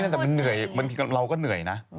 แต่มันเหนื่อยบางทีเราก็เหนื่อยนะ